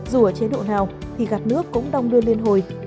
dù ở chế độ nào thì gạt nước cũng đong đưa liên hồi